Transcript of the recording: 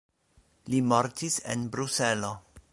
Li mortis en Bruselo.